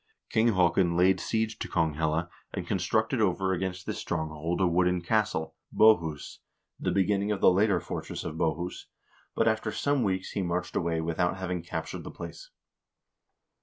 King Haakon laid siege to Konghelle, and constructed over against 490 HISTORY OF THE NORWEGIAN PEOPLE this stronghold a wooden castle, Bohus, the beginning of the later fortress of Bohus, but after some weeks he marched away without having captured the place.